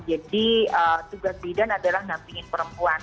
jadi tugas bidan adalah nampingin perempuan